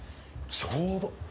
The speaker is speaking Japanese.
ちょうど。